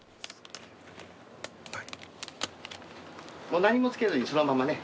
もう何も付けずにそのままね。